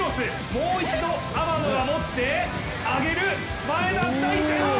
もう一度天野が持って上げる、前田大然！